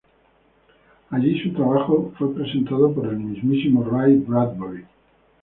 Allí su trabajo fue presentado por el mismísimo Ray Bradbury.